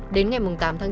đến ngày tám tháng chín